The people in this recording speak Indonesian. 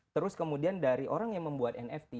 terus kemudian dari orang yang membuat nft